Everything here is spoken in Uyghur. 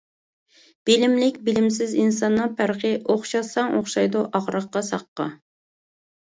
بىلىملىك، بىلىمسىز ئىنساننىڭ پەرقى، ئوخشاتساڭ ئوخشايدۇ ئاغرىققا، ساققا.